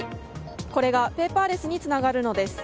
これがペーパーレスにつながるのです。